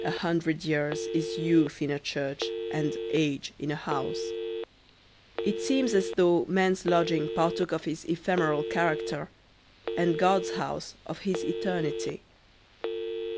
A hundred years is youth in a church and age in a house. It seems as though man's lodging partook of his ephemeral character, and God's house of his eternity.